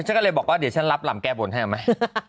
ฉันก็เลยบอกเดี๋ยวรับหล่ำแก่บ่นให้รึไง